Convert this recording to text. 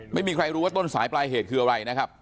ไม่มีใครรู้ว่าต้นสายปลายเหตุคืออะไรนะครับ